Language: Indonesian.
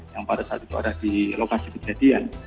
yang pada saat itu ada di lokasi kejadian